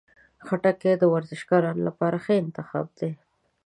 خټکی د ورزشکارانو لپاره ښه انتخاب دی.